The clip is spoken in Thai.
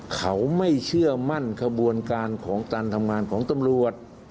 เขาไม่เชื่อมั่นขบวนการของการทำงานของตำรวจ